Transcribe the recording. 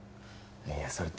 いやそれ